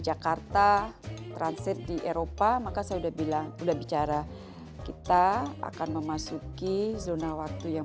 jakarta transit di eropa maka saya udah bilang udah bicara kita akan memasuki zona waktu yang